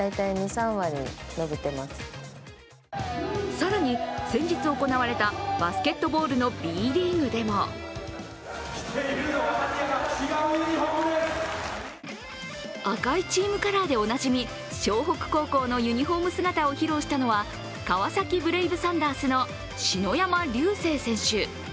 更に先日行われたバスケットボールのＢリーグでも赤いチームカラーでおなじみ、湘北高校のユニフォーム姿を披露したのは川崎ブレイブサンダースの篠山竜青選手。